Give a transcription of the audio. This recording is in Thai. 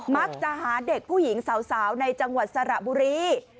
มักจะหาเด็กผู้หญิงสาวในจังหวัดสระบุรี